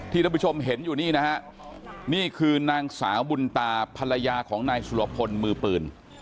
ท่านผู้ชมเห็นอยู่นี่นะฮะนี่คือนางสาวบุญตาภรรยาของนายสุรพลมือปืน